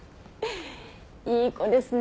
いい子ですね